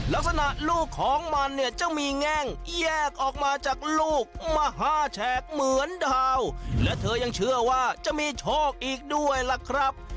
ลักษณะลูกของมันเนี่ยจะมีแง่งแยกออกมาจากลูกมหาแฉกเหมือนดาวและเธอยังเชื่อว่าจะมีโชคอีกด้วยล่ะครับ